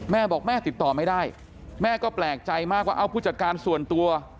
แม่บอกแม่ติดต่อไม่ได้แม่ก็แปลกใจมากว่าเอ้าผู้จัดการส่วนตัว